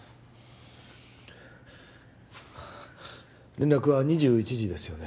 連絡は２１時ですよね